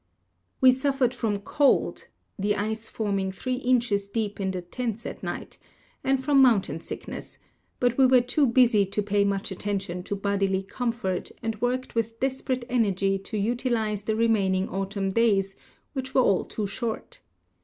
"We suffered from cold (the ice forming three inches deep in the tents at night) and from mountain sick ness, but we were too busy to pay much attention to bodily comfort and worked with desperate energy to util ize the remaining autumn days, which were all too short.